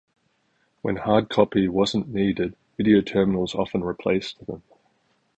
When hard copy wasn't needed, video terminals often replaced them.